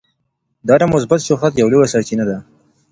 دا د مثبت شهرت یوه لویه سرچینه ده.